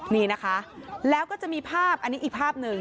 นี่นะคะแล้วก็จะมีภาพอันนี้อีกภาพหนึ่ง